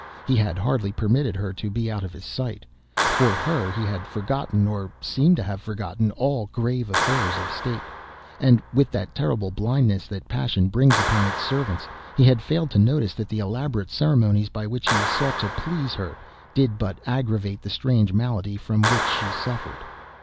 He had hardly ever permitted her to be out of his sight; for her, he had forgotten, or seemed to have forgotten, all grave affairs of State; and, with that terrible blindness that passion brings upon its servants, he had failed to notice that the elaborate ceremonies by which he sought to please her did but aggravate the strange malady from which she suffered.